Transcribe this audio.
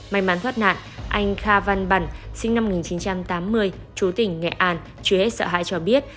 may mắn thoát nạn anh kha văn bẩn sinh năm một nghìn chín trăm tám mươi chú tỉnh nghệ an chưa hết sợ hãi cho biết